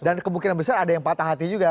dan kemungkinan besar ada yang patah hati juga ya